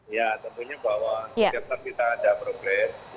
ya tentunya bahwa setiap klub kita ada progres